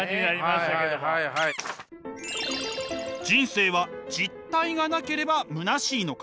人生は実体がなければ虚しいのか。